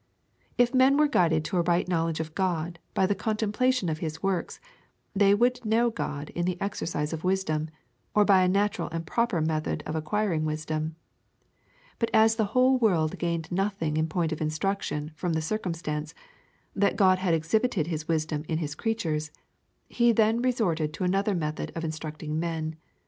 If men were guided to a right knowledge of God by the contemplation of his works, they would know God in the exercise of wisdom, or by a natural and proper method of acquiring wisdom ; but as the whole world gained nothing in point of instruction from the cir cumstance, that God had exhibited his wisdom in his creatures, he then resorted to another method for instructing men.